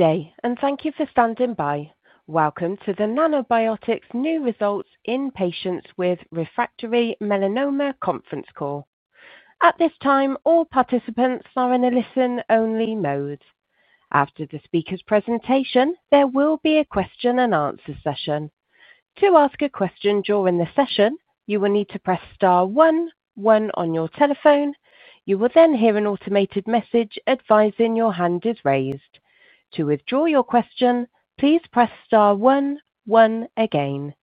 Okay, and thank you for standing by. Welcome to the Nanobiotix New Results in Patients with Refractory Melanoma Conference Call. At this time, all participants are in a listen-only mode. After the speaker's presentation, there will be a question and answer session. To ask a question during the session, you will need to press star one, one on your telephone. You will then hear an automated message advising your hand is raised. To withdraw your question, please press star one, one again.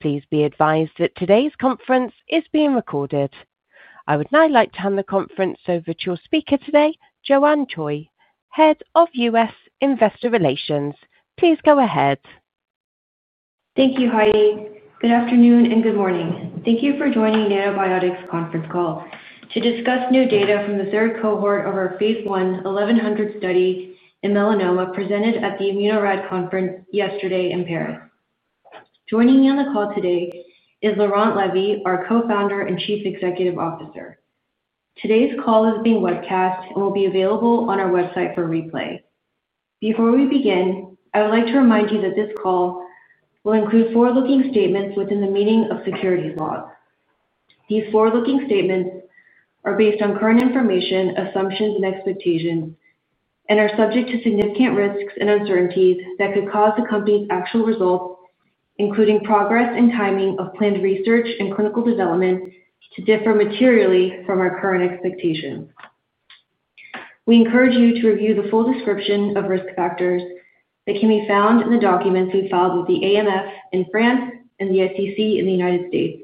Please be advised that today's conference is being recorded. I would now like to hand the conference over to your speaker today, Joanne Choi, Head of US Investor Relations. Please go ahead. Thank you, Heidi. Good afternoon and good morning. Thank you for joining the Nanobiotix conference call to discuss new data from the third cohort of our phase I 1100 study in melanoma presented at the ImmunoRad Conference yesterday in Paris. Joining me on the call today is Laurent Levy, our Co-founder and Chief Executive Officer. Today's call is being webcast and will be available on our website for replay. Before we begin, I would like to remind you that this call will include forward-looking statements within the meaning of securities laws. These forward-looking statements are based on current information, assumptions, and expectations, and are subject to significant risks and uncertainties that could cause the company's actual results, including progress and timing of planned research and clinical development, to differ materially from our current expectations. We encourage you to review the full description of risk factors that can be found in the documents we filed with the AMF and the SEC in the United States,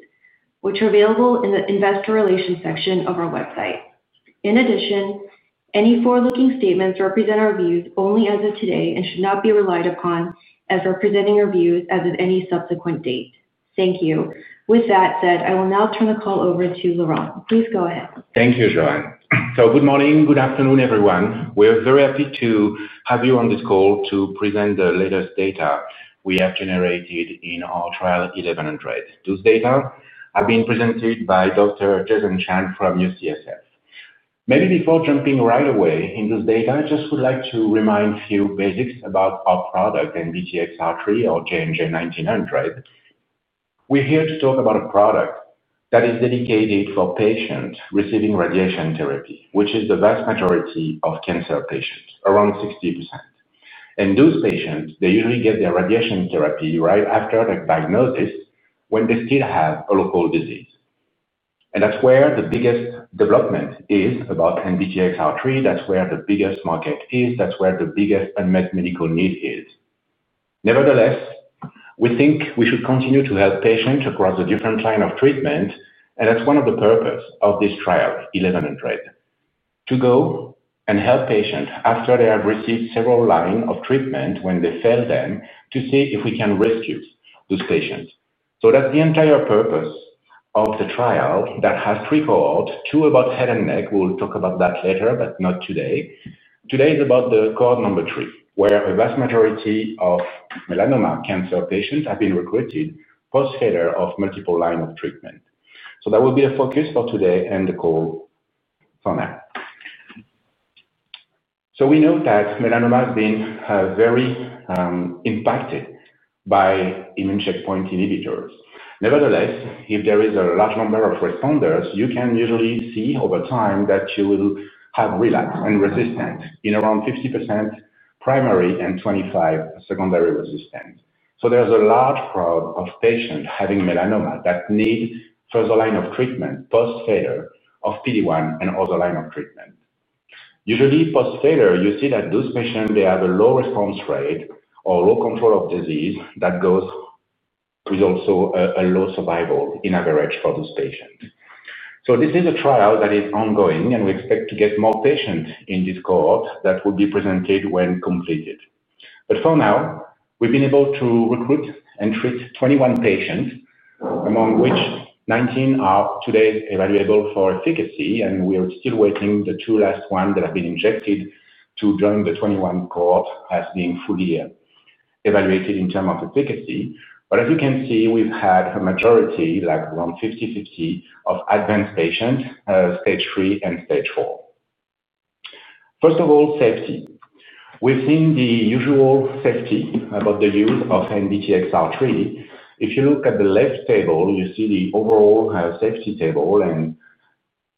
which are available in the Investor Relations section of our website. In addition, any forward-looking statements represent our views only as of today and should not be relied upon as representing your views as of any subsequent date. Thank you. With that said, I will now turn the call over to Laurent. Please go ahead. Thank you, Joanne. Good morning, good afternoon, everyone. We are very happy to have you on this call to present the latest data we have generated in our trial 1100. Those data have been presented by Dr. Jason Chan from UCSF. Maybe before jumping right away into the data, I just would like to remind a few basics about our product NBTXR3, or JNJ-1900. We're here to talk about a product that is dedicated for patients receiving radiation therapy, which is the vast majority of cancer patients, around 60%. Those patients usually get their radiation therapy right after they're diagnosed when they still have a local disease. That's where the biggest development is about NBTXR3. That's where the biggest market is. That's where the biggest unmet medical need is. Nevertheless, we think we should continue to help patients across the different lines of treatment. That's one of the purposes of this trial 1100, to go and help patients after they have received several lines of treatment when they failed them, to see if we can rescue those patients. That's the entire purpose of the trial that has three cohorts, two about head and neck. We'll talk about that later, but not today. Today is about the cohort 3, where a vast majority of melanoma cancer patients have been recruited post failure of multiple lines of treatment. That will be the focus for today and the call for now. We know that melanoma has been very impacted by immune checkpoint inhibitors. Nevertheless, if there is a large number of responders, you can usually see over time that you will have relapse and resistance in around 50% primary and 25% secondary resistance. There's a large crowd of patients having melanoma that need further lines of treatment post failure of PD-1 and other lines of treatment. Usually, post failure, you see that those patients have a low response rate or low control of disease that goes with also a low survival in average for those patients. This is a trial that is ongoing, and we expect to get more patients in this cohort that will be presented when completed. For now, we've been able to recruit and treat 21 patients, among which 19 are today evaluable for efficacy, and we're still waiting on the two last ones that have been injected to join the 21 cohorts as being fully evaluated in terms of efficacy. As you can see, we've had a majority, like around 50/50 of advanced patients, Stage III and Stage IV. First of all, safety. We've seen the usual safety about the use of NBTXR3. If you look at the left table, you see the overall safety table and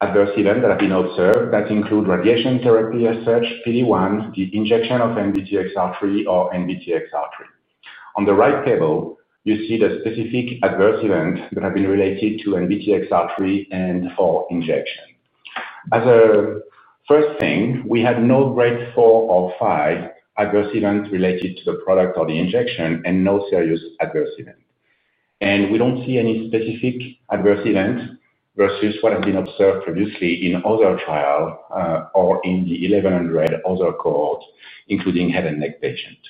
adverse events that have been observed that include radiation therapy as such, PD-1, the injection of NBTXR3, or NBTXR3. On the right table, you see the specific adverse events that have been related to NBTXR3 and/or injection. As a first thing, we had no Grade 4 or 5 adverse events related to the product or the injection and no serious adverse events. We don't see any specific adverse events versus what has been observed previously in other trials or in the 1100 other cohorts, including head and neck patients.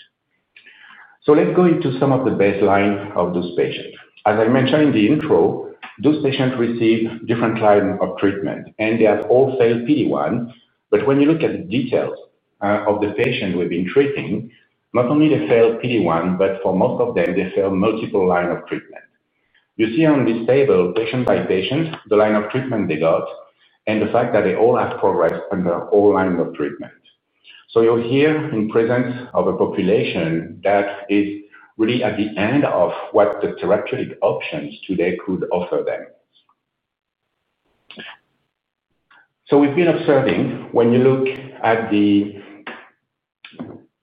Let's go into some of the baselines of those patients. As I mentioned in the intro, those patients receive different lines of treatment, and they have all failed PD-1. When you look at the details of the patients we've been treating, not only have they failed PD-1, but for most of them, they failed multiple lines of treatment. You see on this table, patient by patient, the line of treatment they got, and the fact that they all have progressed under all lines of treatment. You're here in the presence of a population that is really at the end of what the therapeutic options today could offer them. We've been observing when you look at the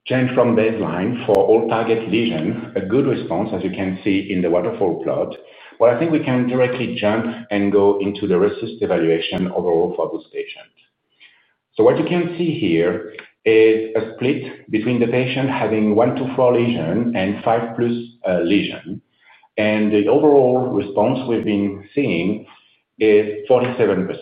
change from baseline for all target lesions, a good response, as you can see in the waterfall plot. I think we can directly jump and go into the resistance evaluation overall for those patients. What you can see here is a split between the patient having one to four lesions and 5+ lesions. The overall response we've been seeing is 47%.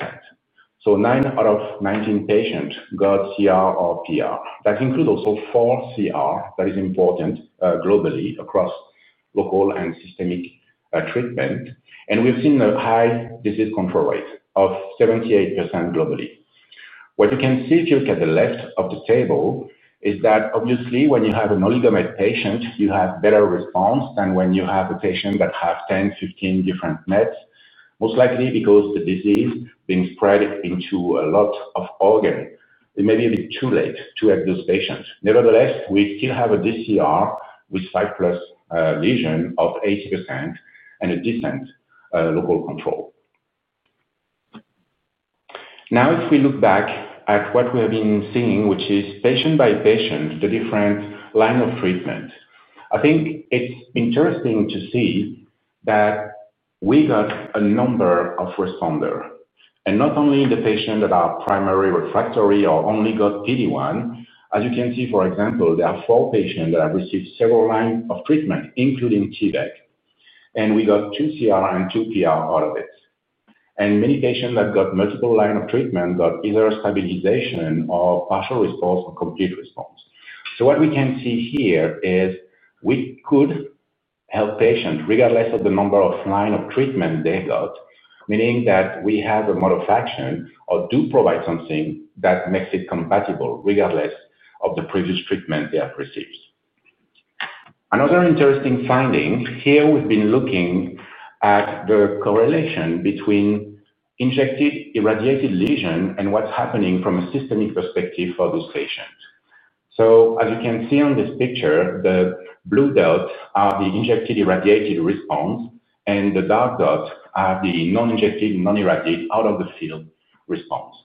Nine out of 19 patients got CR or PR. That includes also four CR, that is important globally across local and systemic treatment. We've seen a high disease control rate of 78% globally. What you can see if you look at the left of the table is that obviously when you have an oligomet patient, you have a better response than when you have a patient that has 10, 15 different mets, most likely because the disease has been spread into a lot of organs. It may be a bit too late to have those patients. Nevertheless, we still have a DCR with 5+ lesions of 80% and a decent local control. If we look back at what we have been seeing, which is patient by patient, the different lines of treatment, I think it's interesting to see that we got a number of responders. Not only the patients that are primary refractory or only got PD-1, as you can see, for example, there are four patients that have received several lines of treatment, including T-VEC, and we got two CR and two PR out of it. Many patients that got multiple lines of treatment got either stabilization or partial response or complete response. What we can see here is we could help patients regardless of the number of lines of treatment they got, meaning that we have a mode of action or do provide something that makes it compatible regardless of the previous treatment they have received. Another interesting finding here, we've been looking at the correlation between injected irradiated lesions and what's happening from a systemic perspective for those patients. As you can see on this picture, the blue dots are the injected irradiated response, and the dark dots are the non-injected, non-irradiated out-of-the-field response.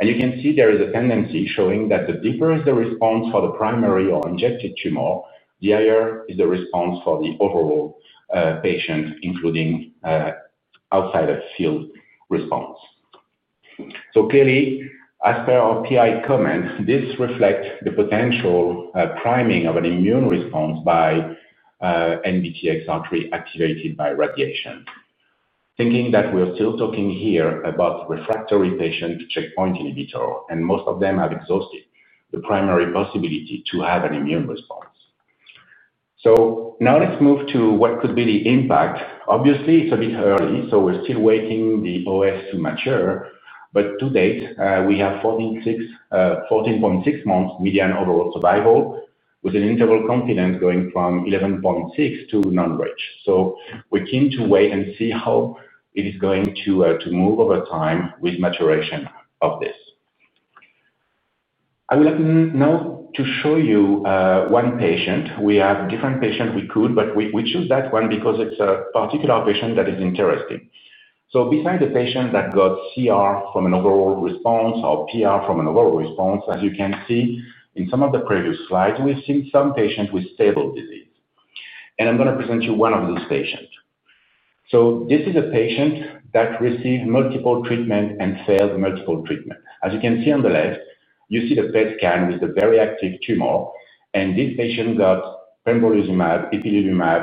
You can see there is a tendency showing that the deeper is the response for the primary or injected tumor, the higher is the response for the overall patient, including outside-of-field response. Clearly, as per our PI comments, this reflects the potential priming of an immune response by NBTXR3 activated by radiation. Thinking that we are still talking here about refractory patients with checkpoint inhibitors, and most of them have exhausted the primary possibility to have an immune response. Now let's move to what could be the impact. Obviously, it's a bit early, so we're still waiting for the OS to mature. To date, we have 14.6 months median overall survival with a confidence interval going from 11.6 to non-reach. We're keen to wait and see how it is going to move over time with maturation of this. I would like now to show you one patient. We have different patients we could, but we choose that one because it's a particular patient that is interesting. Besides the patient that got CR from an overall response or PR from an overall response, as you can see in some of the previous slides, we've seen some patients with stable disease. I'm going to present you one of those patients. This is a patient that received multiple treatments and failed multiple treatments. As you can see on the left, you see the PET scan with the very active tumor. This patient got pembrolizumab, ipilimumab,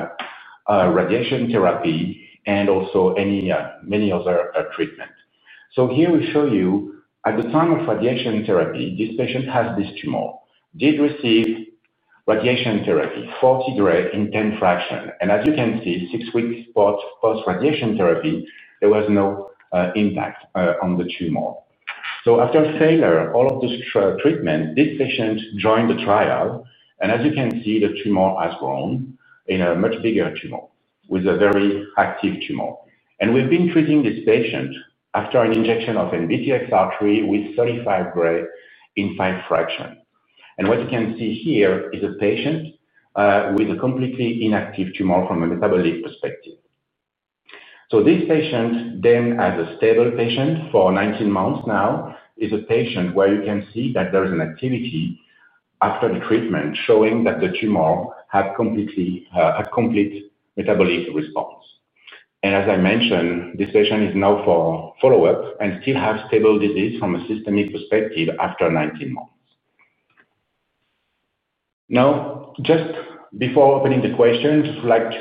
radiation therapy, and also anemia, many other treatments. Here we show you at the time of radiation therapy, this patient has this tumor. The patient did receive radiation therapy, 40 Gy/10fx. As you can see, six weeks post-radiation therapy, there was no impact on the tumor. After failure of all of this treatment, this patient joined the trial. As you can see, the tumor has grown into a much bigger tumor with a very active tumor. We've been treating this patient after an injection of NBTXR3 with 35 Gy/5fx. What you can see here is a patient with a completely inactive tumor from a metabolic perspective. This patient then had a stable patient for 19 months. Now is a patient where you can see that there is an activity after the treatment showing that the tumor had a complete metabolic response. As I mentioned, this patient is now for follow-up and still has stable disease from a systemic perspective after 19 months. Just before opening the question, I'd like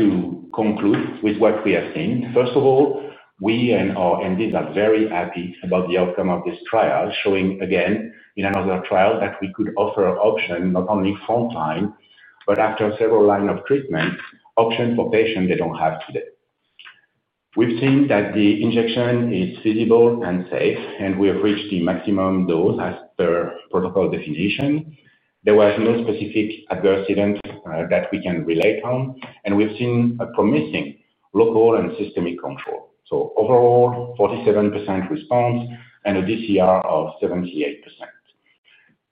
to conclude with what we have seen. First of all, we and our MDs are very happy about the outcome of this trial, showing again in another trial that we could offer options not only frontline, but after several lines of treatment, options for patients they don't have today. We've seen that the injection is feasible and safe, and we have reached the maximum dose as per protocol of the physician. There was no specific adverse event that we can relate on. We've seen a promising local and systemic control. Overall, 47% response and a DCR of 78%.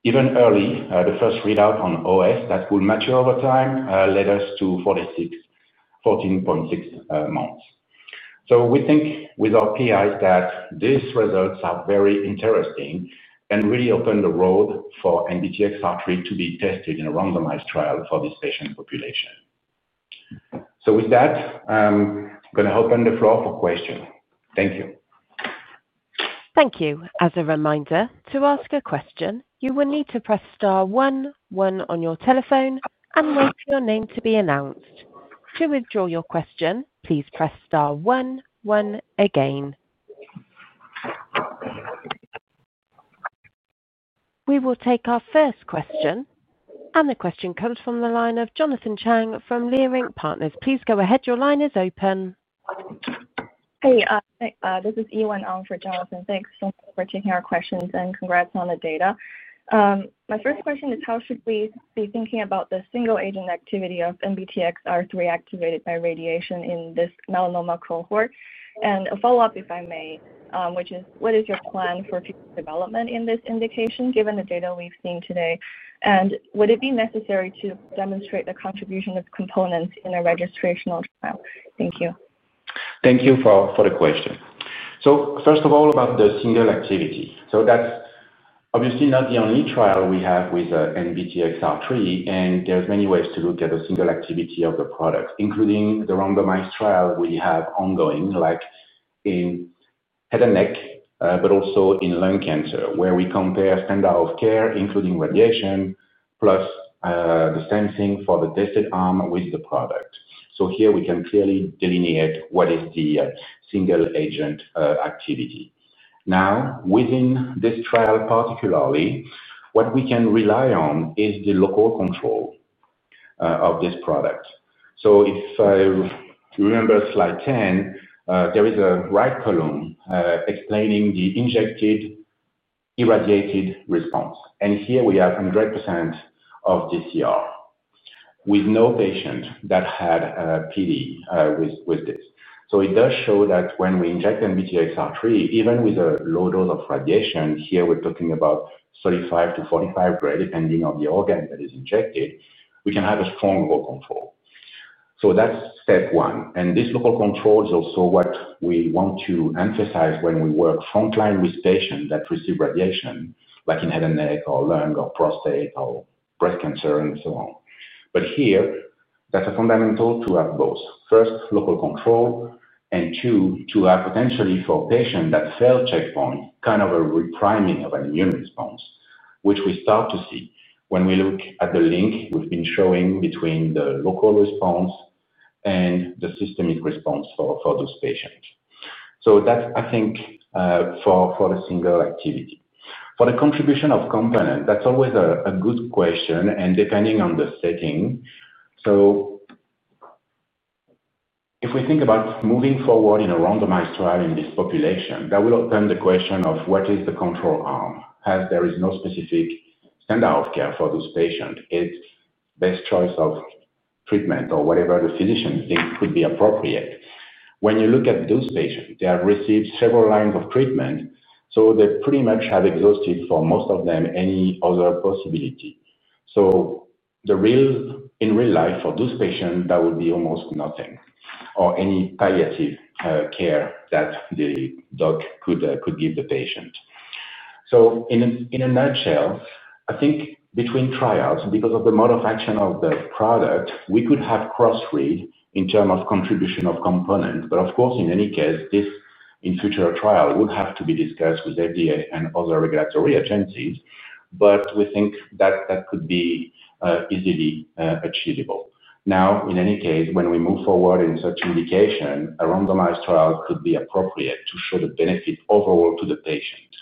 Even early, the first readout on OS that will mature over time led us to 14.6 months. We think with our PIs that these results are very interesting and really open the road for NBTXR3 to be tested in a randomized trial for this patient population. With that, I'm going to open the floor for questions. Thank you. Thank you. As a reminder, to ask a question, you will need to press star one, one on your telephone and wait for your name to be announced. To withdraw your question, please press star one, one again. We will take our first question. The question comes from the line of Jonathan Chang from Leerink Partners. Please go ahead. Your line is open. Hey, this is Yiwen Zhang for Jonathan. Thanks so much for taking our questions and congrats on the data. My first question is, how should we be thinking about the single-agent activity of NBTXR3 activated by radiation in this melanoma cohort? A follow-up, if I may, which is, what is your plan for future development in this indication given the data we've seen today? Would it be necessary to demonstrate the contribution of components in a registrational trial? Thank you. Thank you for the question. First of all, about the single activity. That's obviously not the only trial we have with NBTXR3. There are many ways to look at the single activity of the product, including the randomized trial we have ongoing, like in head and neck, but also in lung cancer, where we compare standard of care, including radiation, plus the same thing for the tested arm with the product. Here we can clearly delineate what is the single-agent activity. Within this trial particularly, what we can rely on is the local control of this product. If you remember slide 10, there is a right column explaining the injected irradiated response. Here we have 100% of disease control rate with no patient that had PD with this. It does show that when we inject NBTXR3, even with a low dose of radiation, here we're talking about 35-45 Gy, depending on the organ that is injected, we can have a strong local control. That's step one. This local control is also what we want to emphasize when we work frontline with patients that receive radiation, like in head and neck or lung or prostate or breast cancer and so on. Here, that's fundamental to have both. First, local control, and two, to have potentially for patients that fail checkpoint, kind of a repriming of an immune response, which we start to see when we look at the link we've been showing between the local response and the systemic response for those patients. That's, I think, for the single activity. For the contribution of components, that's always a good question. Depending on the setting, if we think about moving forward in a randomized trial in this population, that will open the question of what is the control arm, as there is no specific standard of care for those patients. It's the best choice of treatment or whatever the physician thinks could be appropriate. When you look at those patients, they have received several lines of treatment. They pretty much have exhausted for most of them any other possibility. In real life, for those patients, that would be almost nothing or any palliative care that the doc could give the patient. In a nutshell, I think between trials, because of the mode of action of the product, we could have cross-read in terms of contribution of components. Of course, in any case, this in future trial would have to be discussed with FDA and other regulatory agencies. We think that could be easily achievable. In any case, when we move forward in such indication, a randomized trial could be appropriate to show the benefit overall to the patient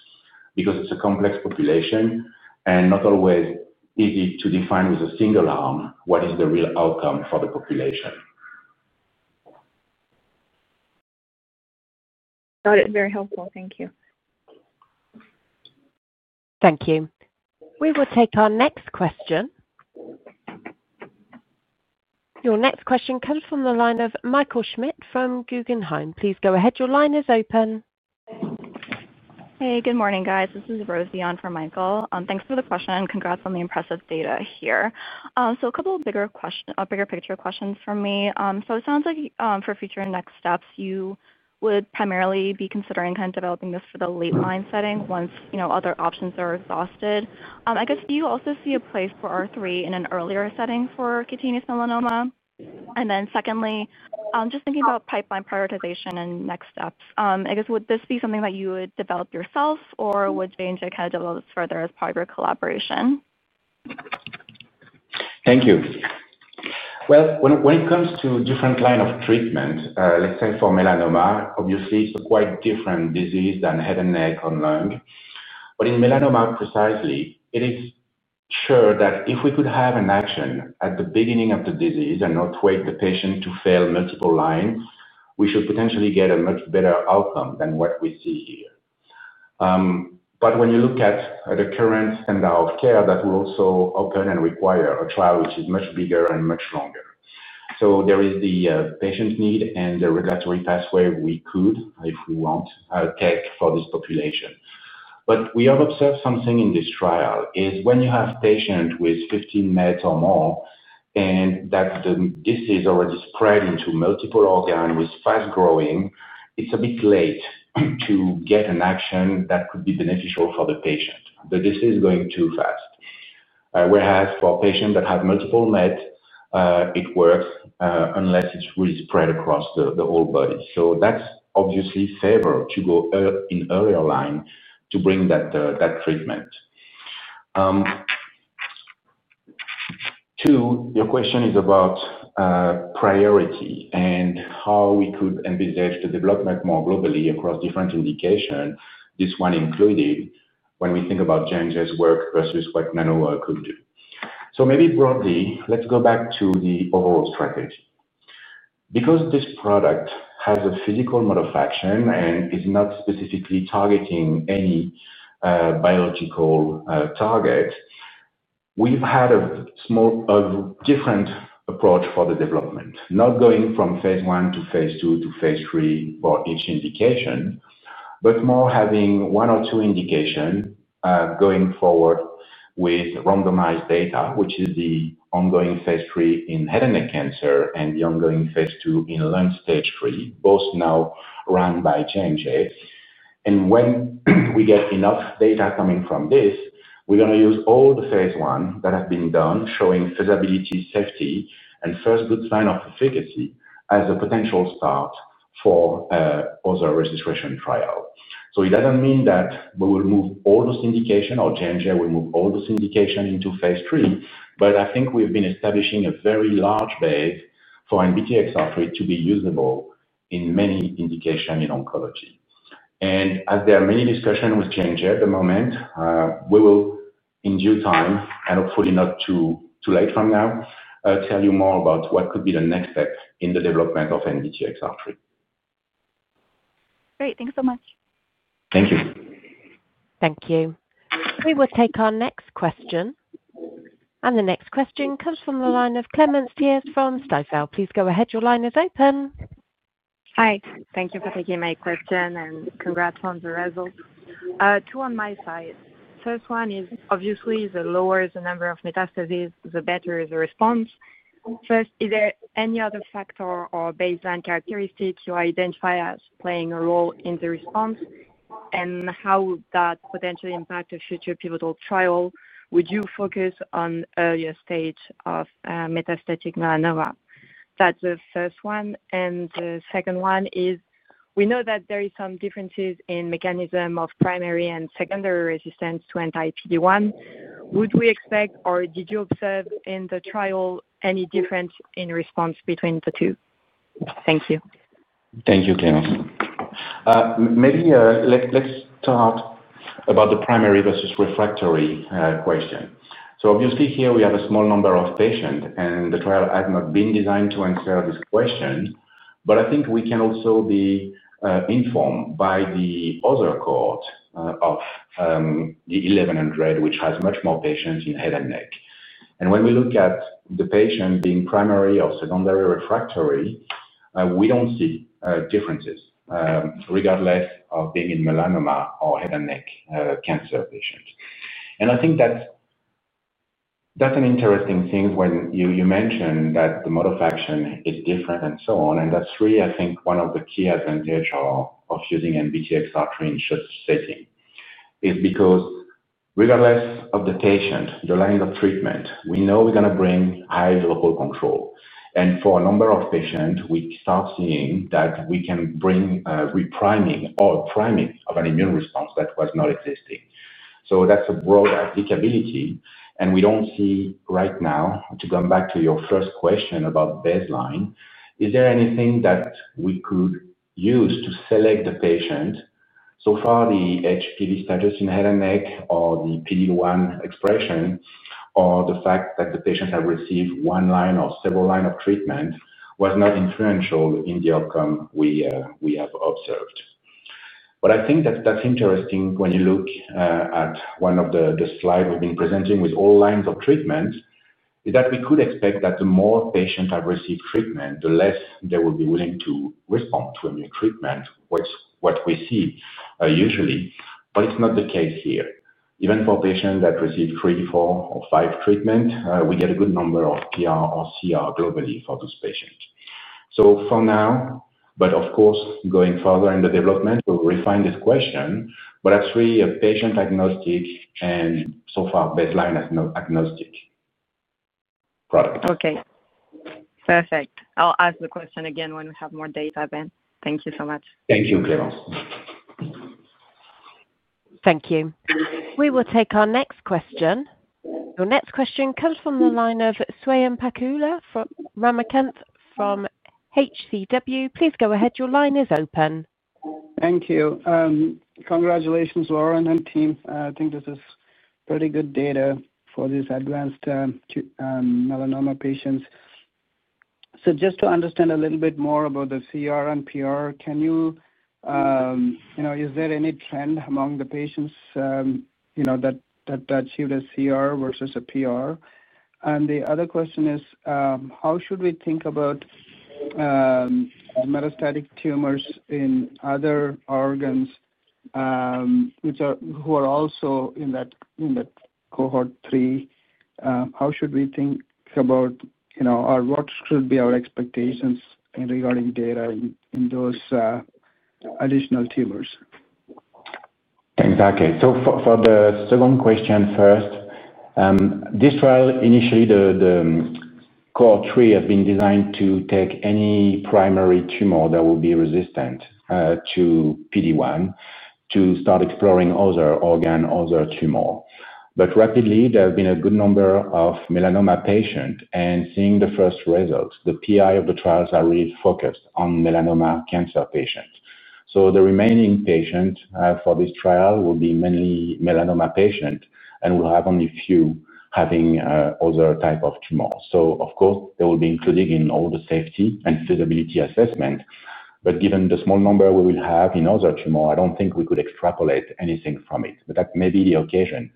because it's a complex population and not always easy to define with a single arm what is the real outcome for the population. Got it. Very helpful. Thank you. Thank you. We will take our next question. Your next question comes from the line of Michael Schmidt from Guggenheim. Please go ahead. Your line is open. Hey, good morning, guys. This is Rosy Liao from Michael. Thanks for the question. Congrats on the impressive data here. A couple of bigger picture questions from me. It sounds like for future next steps, you would primarily be considering kind of developing this for the late line setting once other options are exhausted. Do you also see a place for NBTXR3 in an earlier setting for cutaneous melanoma? Secondly, just thinking about pipeline prioritization and next steps, would this be something that you would develop yourself or would J&J kind of develop this further as part of your collaboration? Thank you. When it comes to different lines of treatment, let's say for melanoma, obviously, it's a quite different disease than head and neck or lung. In melanoma precisely, it is sure that if we could have an action at the beginning of the disease and not wait for the patient to fail multiple lines, we should potentially get a much better outcome than what we see here. When you look at the current standard of care, that will also open and require a trial which is much bigger and much longer. There is the patient need and the regulatory pathway we could, if we want, take for this population. We have observed something in this trial: when you have patients with 15 mets or more, and the disease has already spread into multiple organs with fast growing, it's a bit late to get an action that could be beneficial for the patient. The disease is going too fast. For patients that have multiple mets, it works unless it's really spread across the whole body. That's obviously favorable to go in earlier line to bring that treatment. Your question is about priority and how we could envisage the development more globally across different indications, this one included, when we think about J&J's work versus what Nano could do. Maybe broadly, let's go back to the overall strategy. Because this product has a physical mode of action and is not specifically targeting any biological targets, we've had a small different approach for the development, not going from phase I to phase II to phase III for each indication, but more having one or two indications going forward with randomized data, which is the ongoing phase III in head and neck cancer and the ongoing phase II in lung Stage III, both now run by J&J. When we get enough data coming from this, we're going to use all the phase I that have been done showing feasibility, safety, and first good sign of efficacy as a potential spot for other registration trials. It doesn't mean that we will move all those indications or J&J will move all those indications into phase III, but I think we've been establishing a very large base for NBTXR3 to be usable in many indications in oncology. As there are many discussions with J&J at the moment, we will, in due time, and hopefully not too late from now, tell you more about what could be the next step in the development of NBTXR3. Great, thanks so much. Thank you. Thank you. We will take our next question. The next question comes from the line of Clémence Thiers from Stifel. Please go ahead. Your line is open. Hi. Thank you for taking my question and congrats on the results. Two on my side. First one is, obviously, the lower the number of metastases, the better is the response. First, is there any other factor or baseline characteristic you identify as playing a role in the response, and how would that potentially impact a future pivotal trial? Would you focus on earlier stage of metastatic melanoma? That's the first one. The second one is, we know that there are some differences in the mechanism of primary and secondary resistance to anti-PD-1. Would we expect or did you observe in the trial any difference in response between the two? Thank you. Thank you, Clémence. Maybe let's start about the primary versus refractory question. Obviously, here we have a small number of patients, and the trial has not been designed to answer this question. I think we can also be informed by the other cohort of the 1100 study, which has much more patients in head and neck. When we look at the patient being primary or secondary refractory, we don't see differences regardless of being in melanoma or head and neck cancer patients. I think that's an interesting thing when you mentioned that the mode of action is different and so on. That's really, I think, one of the key advantages of using NBTXR3 in such a setting because regardless of the patient, the lines of treatment, we know we're going to bring high local control. For a number of patients, we start seeing that we can bring a repriming or priming of an immune response that was not existing. That's a broad applicability. We don't see right now, to come back to your first question about baseline, is there anything that we could use to select the patient? So far, the HPV status in head and neck or the PD-1 expression or the fact that the patients have received one line or several lines of treatment was not influential in the outcome we have observed. I think that that's interesting when you look at one of the slides we've been presenting with all lines of treatment, that we could expect that the more patients have received treatment, the less they will be willing to respond to a new treatment, which is what we see usually. It's not the case here. Even for patients that receive three, four, or five treatments, we get a good number of PR or CR globally for those patients. For now, going further in the development, we'll refine this question. Actually, a patient agnostic and so far baseline agnostic product. Okay. Perfect. I'll ask the question again when we have more data, then. Thank you so much. Thank you, Clémence. Thank you. We will take our next question. Your next question comes from the line of Swayampakula Ramakanth from HCW. Please go ahead. Your line is open. Thank you. Congratulations, Laurent, and team. I think this is pretty good data for these advanced melanoma patients. Just to understand a little bit more about the CR and PR, is there any trend among the patients that achieved a CR versus a PR? The other question is, how should we think about the metastatic tumors in other organs who are also in that cohort 3? How should we think about, or what should be our expectations regarding data in those additional tumors? Exactly. For the second question first, this trial initially, the cohort 3 has been designed to take any primary tumor that will be resistant to PD-1 to start exploring other organs, other tumors. Rapidly, there have been a good number of melanoma patients, and seeing the first results, the PI of the trials are really focused on melanoma cancer patients. The remaining patients for this trial will be mainly melanoma patients and will have only a few having other types of tumors. They will be included in all the safety and feasibility assessments. Given the small number we will have in other tumors, I don't think we could extrapolate anything from it. That may be the occasion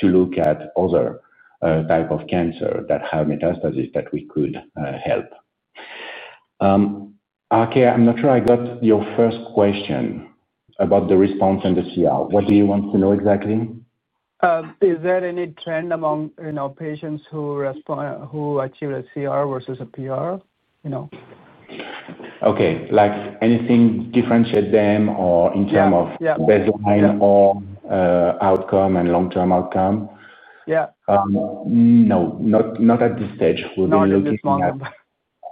to look at other types of cancers that have metastases that we could help. RK, I'm not sure I got your first question about the response and the CR. What do you want to know exactly? Is there any trend among patients who achieve a CR versus a PR? Okay. Anything different with them in terms of baseline or outcome and long-term outcome? Yeah. No, not at this stage. We've been looking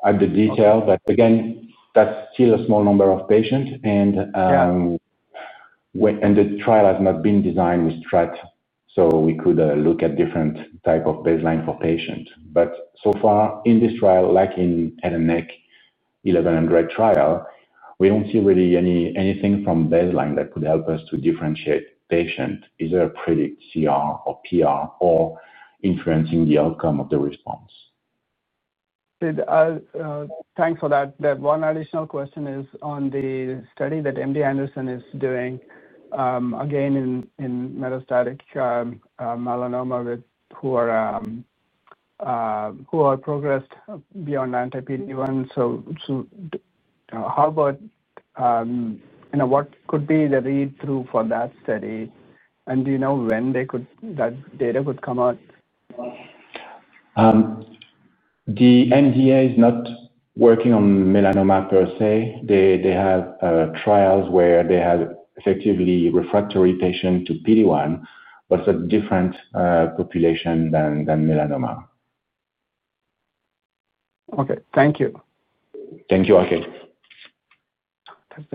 at the detail. That's still a small number of patients, and the trial has not been designed with stratification, so we could look at different types of baselines for patients. So far, in this trial, like in the head and neck 1100 trial, we don't see really anything from baseline that could help us to differentiate patients, either predict CR or PR, or influencing the outcome of the response. Thanks for that. One additional question is on the study that MD Anderson is doing, again, in metastatic melanoma who are progressed beyond anti-PD-1. What could be the read-through for that study? Do you know when that data could come out? The NDA is not working on melanoma per se. They have trials where they have effectively refractory patients to PD-1, but it's a different population than melanoma. Okay. Thank you. Thank you, RK.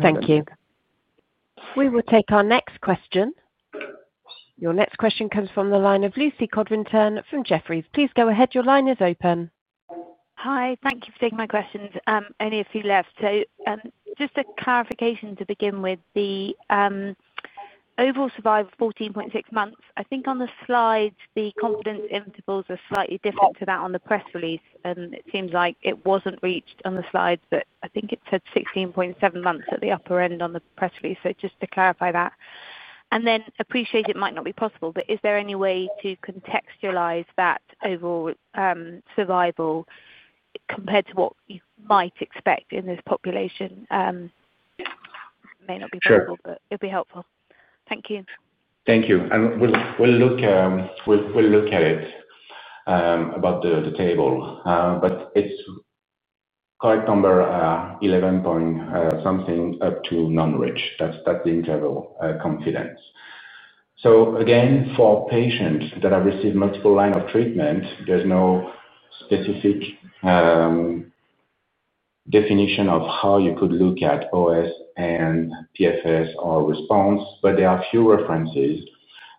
Thank you. We will take our next question. Your next question comes from the line of Lucy Codrington from Jefferies. Please go ahead. Your line is open. Hi. Thank you for taking my questions. Any of you left? Just a clarification to begin with. The overall survival of 14.6 months. I think on the slides, the confidence intervals are slightly different to that on the press release. It seems like it wasn't reached on the slides, but I think it said 16.7 months at the upper end on the press release. Just to clarify that. I appreciate it might not be possible, but is there any way to contextualize that overall survival compared to what you might expect in this population? It may not be possible, but it'd be helpful. Thank you. Thank you. We'll look at it about the table. It's a correct number, 11 point something up to non-rich. That's the confidence interval. For patients that have received multiple lines of treatment, there's no specific definition of how you could look at OS and TFS or response. There are a few references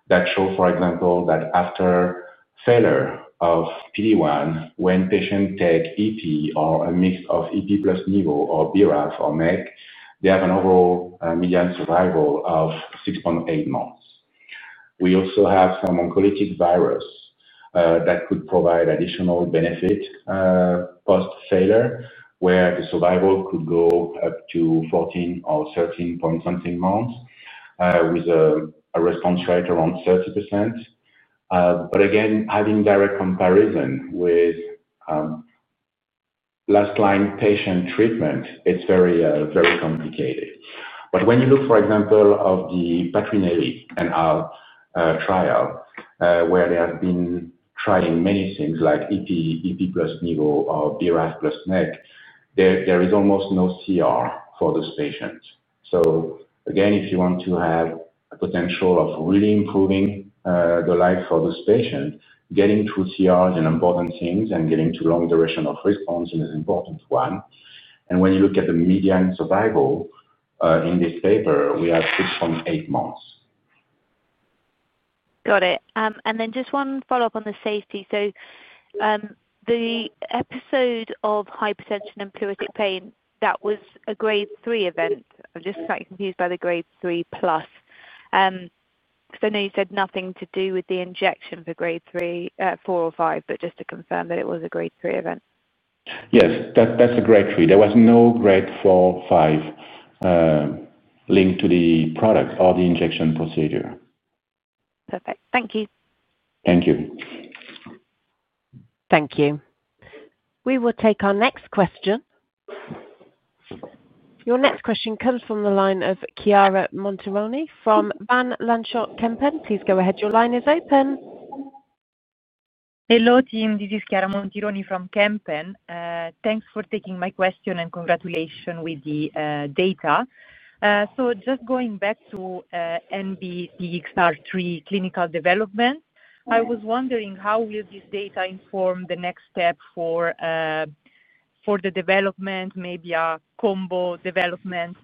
that show, for example, that after failure of PD-1, when patients take EP or a mix of EP plus nivo or BRAF or MEK, they have a median overall survival of 6.8 months. We also have some oncolytic virus that could provide additional benefit post-failure, where the survival could go up to 14 or 13 point something months with a response rate around 30%. Having direct comparison with last-line patient treatment is very, very complicated. When you look, for example, at the patronage and our trial, where they have been tried in many things like EP plus nivo or BRAF plus MEK, there is almost no CR for those patients. If you want to have the potential of really improving the life for those patients, getting to complete response is an important thing, and getting to a long duration of response is an important one. When you look at the median survival in this paper, we have 6.8 months. Got it. Just one follow-up on the safety. The episode of hypertension and pleuritic pain, that was a Grade 3 event. I'm just slightly confused by the Grade 3+. I know you said nothing to do with the injection for Grade 3, 4, or 5, but just to confirm that it was a Grade 3 event. Yes, that's a Grade 3. There was no Grade 4 or 5 linked to the product or the injection procedure. Perfect. Thank you. Thank you. Thank you. We will take our next question. Your next question comes from the line of Chiara Montironi from Van Lanschot Kempen. Please go ahead. Your line is open. Hello, team. This is Chiara Montironi from Kempen. Thanks for taking my question and congratulations with the data. Just going back to NBTXR3 clinical development, I was wondering how will this data inform the next step for the development, maybe a combo development?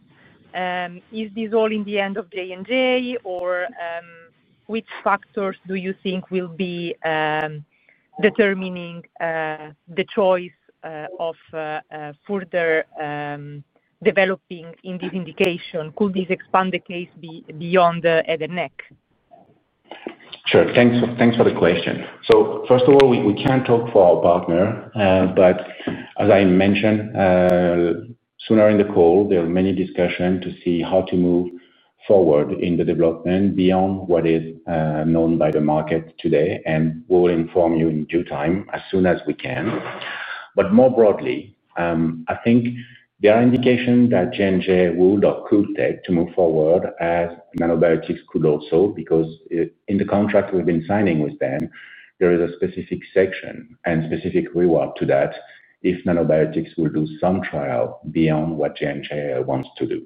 Is this all in the end of J&J, or which factors do you think will be determining the choice of further developing in this indication? Could this expand the case beyond the head and neck? Sure. Thanks for the question. First of all, we can't talk for our partner. As I mentioned sooner in the call, there are many discussions to see how to move forward in the development beyond what is known by the market today. We'll inform you in due time as soon as we can. More broadly, I think there are indications that J&J would or could take to move forward as Nanobiotix could also, because in the contract we've been signing with them, there is a specific section and specific reward to that if Nanobiotix will do some trials beyond what J&J wants to do.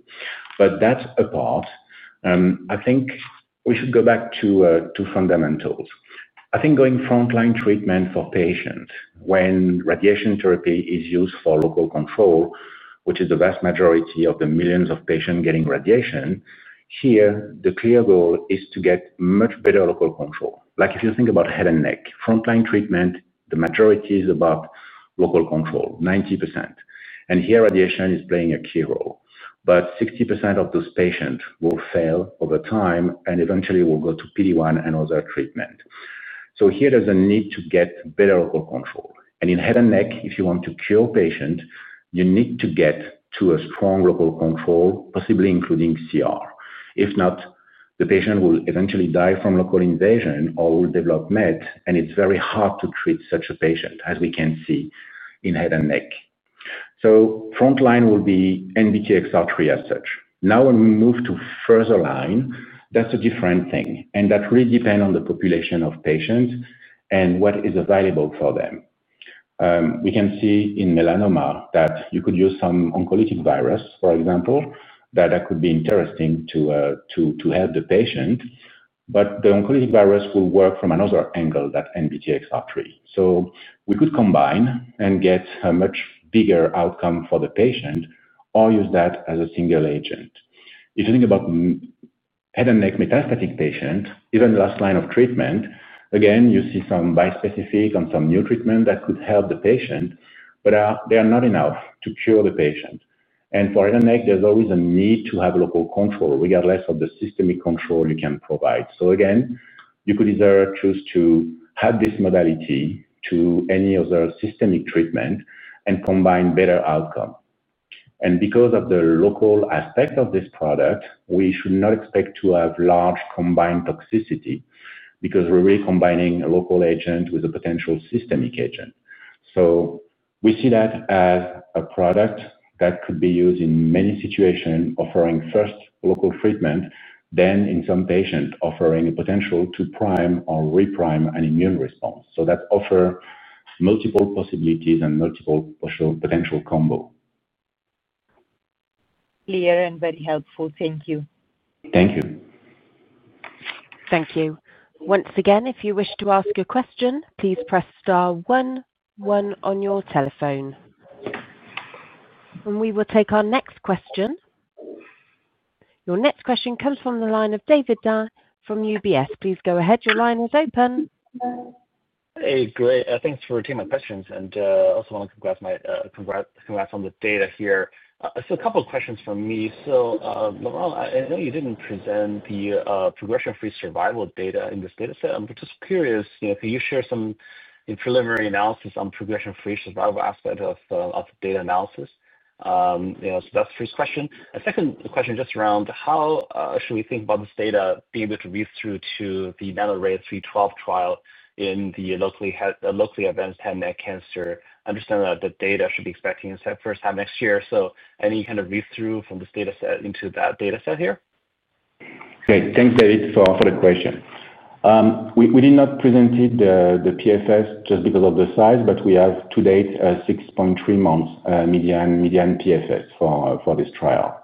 That's a part. I think we should go back to two fundamentals. Going frontline treatment for patients when radiation therapy is used for local control, which is the vast majority of the millions of patients getting radiation, here, the clear goal is to get much better local control. If you think about head and neck, frontline treatment, the majority is about local control, 90%. Here, radiation is playing a key role. 60% of those patients will fail over time and eventually will go to PD-1 and other treatments. There's a need to get better local control. In head and neck, if you want to cure patients, you need to get to a strong local control, possibly including CR. If not, the patient will eventually die from local invasion or will develop mets, and it's very hard to treat such a patient, as we can see in head and neck. Frontline will be NBTXR3 as such. When we move to further line, that's a different thing. That really depends on the population of patients and what is available for them. We can see in melanoma that you could use some oncolytic virus, for example, that could be interesting to help the patient. The oncolytic virus will work from another angle than NBTXR3. We could combine and get a much bigger outcome for the patient or use that as a single agent. If you think about head and neck metastatic patients, even the last line of treatment, again, you see some bi-specific and some new treatments that could help the patient, but they are not enough to cure the patient. For head and neck, there's always a need to have local control regardless of the systemic control you can provide. You could either choose to have this modality to any other systemic treatment and combine better outcomes. Because of the local aspect of this product, we should not expect to have large combined toxicity because we're really combining a local agent with a potential systemic agent. We see that as a product that could be used in many situations, offering first local treatment, then in some patients offering a potential to prime or reprime an immune response. That offers multiple possibilities and multiple potential combos. Clear and very helpful. Thank you. Thank you. Thank you. Once again, if you wish to ask a question, please press star one, one on your telephone. We will take our next question. Your next question comes from the line of David Dai from UBS. Please go ahead. Your line is open. Great. Thanks for taking my questions. I also want to congrats on the data here. I see a couple of questions from me. Laurent, I know you didn't present the progression-free survival data in this data set. I'm just curious, you know, can you share some preliminary analysis on the progression-free survival aspect of the data analysis? That's the first question. A second question just around how should we think about this data being able to read through to the NANORAY-312 trial in the locally advanced head and neck cancer? I understand that the data should be expected to be in the first half next year. Any kind of read-through from this data set into that data set here? Great. Thanks, David, for the question. We did not present the TFS just because of the size, but we have to date 6.3 months median TFS for this trial.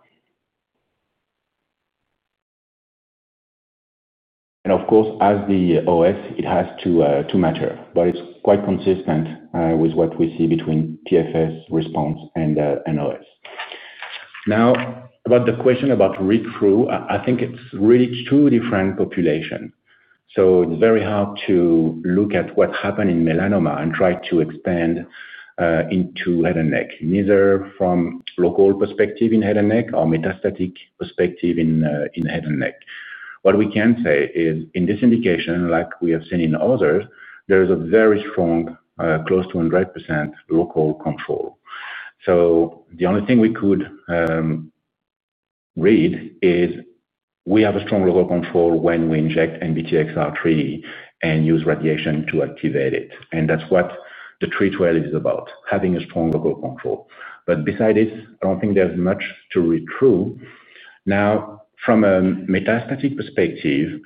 Of course, as the OS, it has to matter. It's quite consistent with what we see between TFS response and OS. Now, about the question about read-through, I think it's really two different populations. It's very hard to look at what happened in melanoma and try to expand into head and neck, neither from a local perspective in head and neck or a metastatic perspective in head and neck. What we can say is in this indication, like we have seen in others, there is a very strong, close to 100% local control. The only thing we could read is we have a strong local control when we inject NBTXR3 and use radiation to activate it. That's what the treat well is about, having a strong local control. Besides this, I don't think there's much to read through. From a metastatic perspective,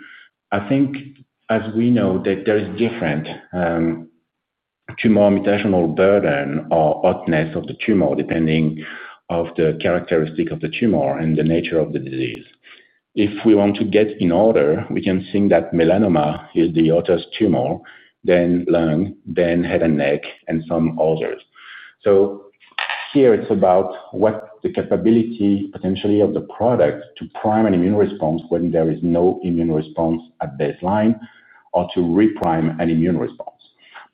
I think as we know that there is different tumor mutational burden or oddness of the tumor depending on the characteristics of the tumor and the nature of the disease. If we want to get in order, we can think that melanoma is the oddest tumor, then lung, then head and neck, and some others. Here, it's about what the capability potentially of the product to prime an immune response when there is no immune response at baseline or to reprime an immune response.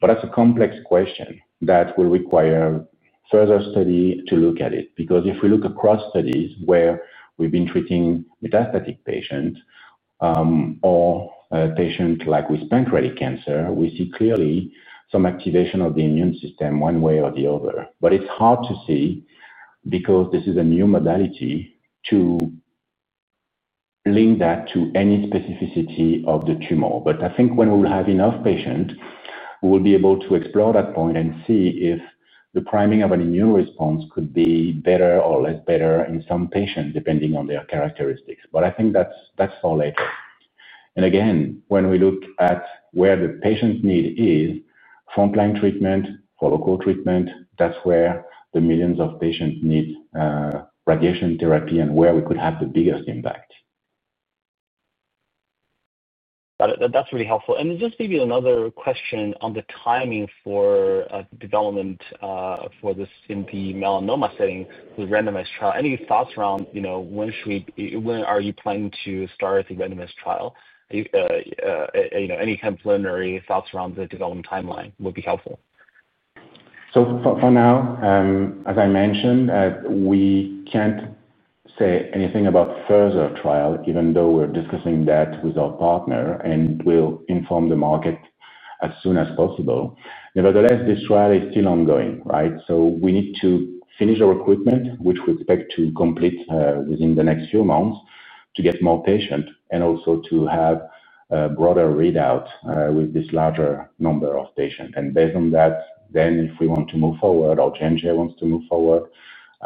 That's a complex question that will require further study to look at it. If we look across studies where we've been treating metastatic patients or patients like with pancreatic cancer, we see clearly some activation of the immune system one way or the other. It's hard to see because this is a new modality to link that to any specificity of the tumor. I think when we will have enough patients, we'll be able to explore that point and see if the priming of an immune response could be better or less better in some patients depending on their characteristics. I think that's for later. Again, when we look at where the patient's need is, frontline treatment or local treatment, that's where the millions of patients need radiation therapy and where we could have the biggest impact. Got it. That's really helpful. Just maybe another question on the timing for development for this in the melanoma setting with randomized trial. Any thoughts around when are you planning to start the randomized trial? Any kind of preliminary thoughts around the development timeline would be helpful. As I mentioned, we can't say anything about further trials, even though we're discussing that with our partner, and we'll inform the market as soon as possible. Nevertheless, this trial is still ongoing, right? We need to finish our recruitment, which we expect to complete within the next few months to get more patients and also to have a broader readout with this larger number of patients. Based on that, if we want to move forward or J&J wants to move forward,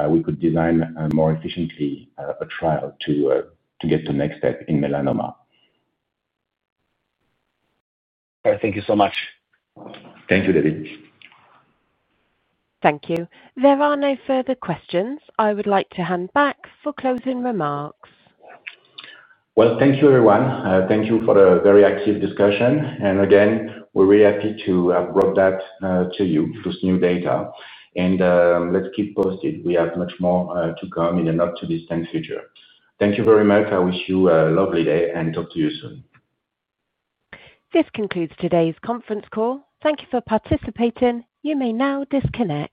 we could design more efficiently a trial to get to the next step in melanoma. All right, thank you so much. Thank you, David. Thank you. There are no further questions. I would like to hand back for closing remarks. Thank you, everyone. Thank you for the very active discussion. Again, we're really happy to have brought that to you, this new data. Let's keep posted. We have much more to come in the not-too-distant future. Thank you very much. I wish you a lovely day, and talk to you soon. This concludes today's conference call. Thank you for participating. You may now disconnect.